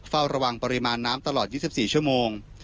เฝ้าระวังปริมาณน้ำตลอด๒๔ชั่วโมง